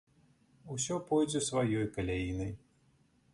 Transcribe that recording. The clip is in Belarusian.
Усё пойдзе сваёй каляінай.